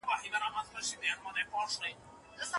شاعر د خپلو خیالونو څرګندونه کوي.